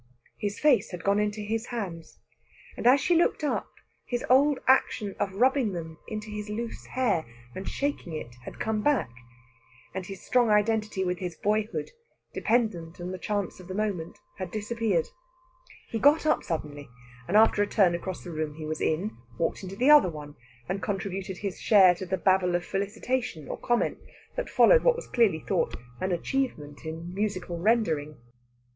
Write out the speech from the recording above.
His face had gone into his hands; and as she looked up, his old action of rubbing them into his loose hair, and shaking it, had come back, and his strong identity with his boyhood, dependent on the chance of a moment, had disappeared. He got up suddenly, and after a turn across the room he was in, walked into the other one, and contributed his share to the babble of felicitation or comment that followed what was clearly thought an achievement in musical rendering.